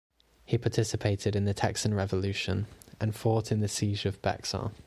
He participated in the Texan Revolution, and fought in the Siege of Bexar.